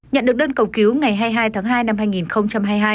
nhận được đơn cầu cứu ngày hai mươi hai tháng hai năm hai nghìn hai mươi hai